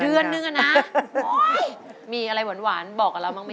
เดือนนึงอะนะมีอะไรหวานบอกกับเราบ้างไหม